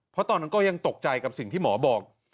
เพราะตอนนั้นก็ยังตกใจกับสิ่งที่หมอบอก